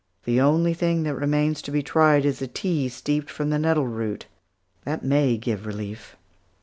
The only thing that remains to be tried is a tea steeped from the nettle root. That may give relief."